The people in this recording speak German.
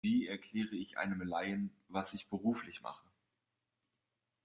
Wie erkläre ich einem Laien, was ich beruflich mache?